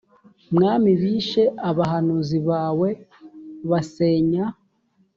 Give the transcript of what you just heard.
mwami bishe abahanuzi bawe basenya